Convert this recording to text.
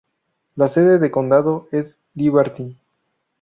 La sede del condado es Liberty.